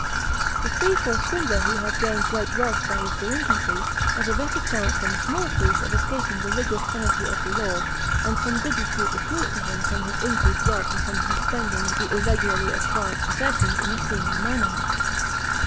The thief or swindler who has gained great wealth by his delinquency has a better chance than the small thief of escaping the rigorous penalty of the law and some good repute accrues to him from his increased wealth and from his spending the irregularly acquired possessions in a seemly manner.